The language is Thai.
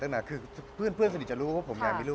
ทั้งนานคือเพื่อนสะดิจจะรู้ผมว่าอยากมีลูก